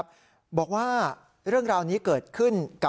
เพราะเธอหมดแต่ร้องไห้เลยนะฮะ